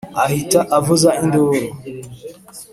ahita avuza induru